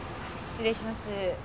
失礼します。